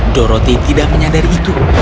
doroti tidak menyadari itu